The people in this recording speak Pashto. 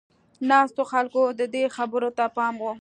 ناستو خلکو د ده خبرو ته پام و.